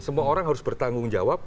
semua orang harus bertanggung jawab